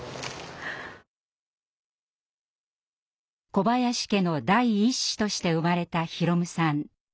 小林家の第一子として生まれた宏夢さん。